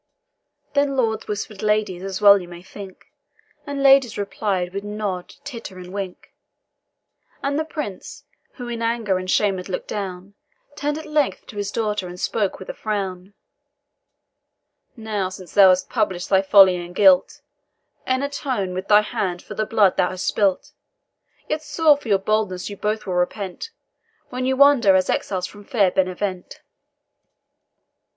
Then lords whisper'd ladies, as well you may think, And ladies replied with nod, titter, and wink; And the Prince, who in anger and shame had look'd down, Turn'd at length to his daughter, and spoke with a frown: "Now since thou hast publish'd thy folly and guilt, E'en atone with thy hand for the blood thou hast spilt; Yet sore for your boldness you both will repent, When you wander as exiles from fair Benevent."